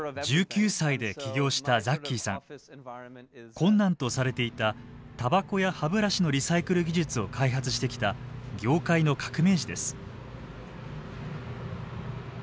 困難とされていたタバコや歯ブラシのリサイクル技術を開発してきた業界の革命児です。